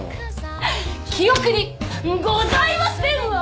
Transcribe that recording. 記憶にございませんわ！